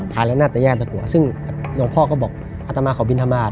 ขายละนาดแต่แยกตะกัวซึ่งหลวงพ่อก็บอกอัตมาขอบิณฑบาต